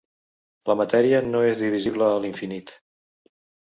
La matèria no és divisible a l'infinit.